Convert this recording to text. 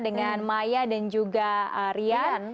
dengan maya dan juga rian